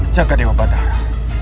jaga dewa batara